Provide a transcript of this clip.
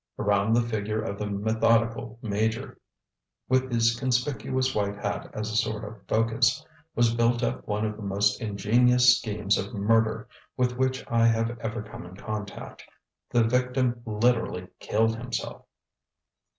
Around the figure of the methodical major with his conspicuous white hat as a sort of focus was built up one of the most ingenious schemes of murder with which I have ever come in contact. The victim literally killed himself.